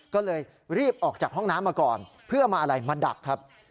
ก็เลยรีบออกจากห้องน้ำมาก่อนเพื่อมาอะไรมาดักครับ